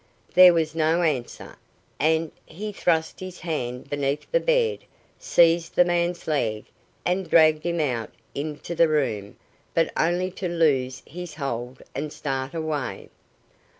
There was no answer, and, he thrust his hand beneath the bed, seized the man's leg, and dragged him out into the room, but only to loose his hold and start away.